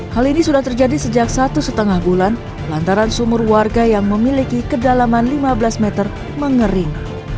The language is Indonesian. hal ini sudah terjadi sejak satu lima bulan lantaran sumur warga yang memiliki kedalaman lima belas meter mengering